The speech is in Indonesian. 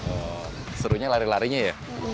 oh serunya lari larinya ya